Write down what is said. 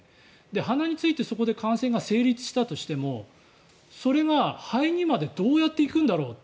鼻についてそこで感染が成立したとしてもそれが肺にまでどうやって行くんだろう？